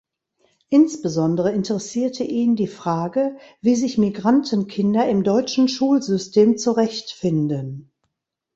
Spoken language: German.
Insbesondere interessierte ihn die Frage, wie sich Migrantenkinder im deutschen Schulsystem zurechtfinden.